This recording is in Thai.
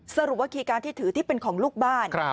สรุปว่าคีย์การ์ที่ถือที่เป็นของลูกบ้าน